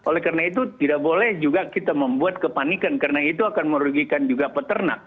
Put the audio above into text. oleh karena itu tidak boleh juga kita membuat kepanikan karena itu akan merugikan juga peternak